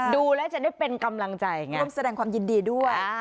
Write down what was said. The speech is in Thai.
ดูแล้วจะได้เป็นกำลังใจไงร่วมแสดงความยินดีด้วย